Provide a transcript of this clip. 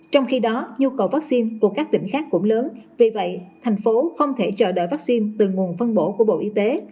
trong khi đó nhu cầu vaccine của các tỉnh khác cũng lớn vì vậy thành phố không thể chờ đợi vaccine từ nguồn phân bổ của bộ y tế